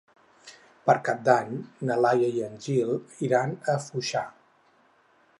Per Cap d'Any na Laia i en Gil iran a Foixà.